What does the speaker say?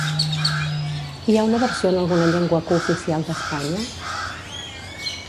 Hi ha una versió en alguna llengua cooficial d'Espanya?